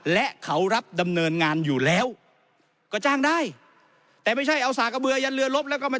และเขารับดำเนินงานอยู่แล้วก็จ้างได้แต่ไม่ใช่เอาสากกระเบือยันเรือลบแล้วก็มา